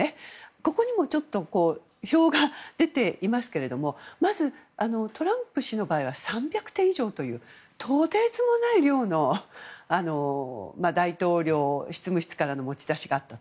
ここにも表が出ていますけれどもまず、トランプ氏の場合は３００点以上というとてつもない量の大統領執務室からの持ち出しがあったと。